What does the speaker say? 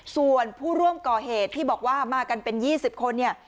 ส่วนผู้ร่วมก่อเหตุที่บอกว่ามากันเป็น๒๐คนเนี่ย